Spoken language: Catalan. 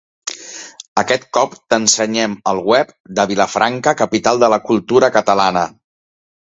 Aquest cop t'ensenyem el web de Vilafranca Capital de la Cultura Catalana.